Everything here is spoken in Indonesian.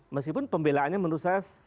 meskipun pembelaannya menurut saya